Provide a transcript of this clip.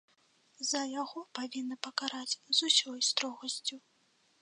За яго павінны пакараць з усёй строгасцю.